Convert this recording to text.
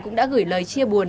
cũng đã gửi lời chia buồn